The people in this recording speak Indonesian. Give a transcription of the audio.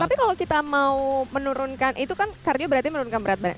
tapi kalau kita mau menurunkan itu kan kardio berarti menurunkan berat badan